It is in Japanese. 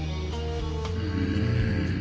うん。